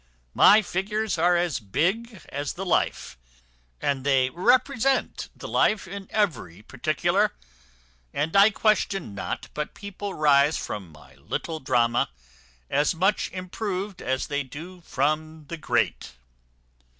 My figures are as big as the life, and they represent the life in every particular; and I question not but people rise from my little drama as much improved as they do from the great."